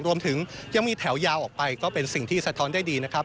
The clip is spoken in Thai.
รวมถึงยังมีแถวยาวออกไปก็เป็นสิ่งที่สะท้อนได้ดีนะครับ